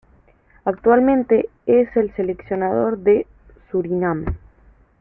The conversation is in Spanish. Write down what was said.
Actualmente es el seleccionador de Surinam.